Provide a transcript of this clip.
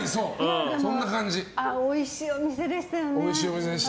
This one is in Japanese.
おいしいお店でしたよね。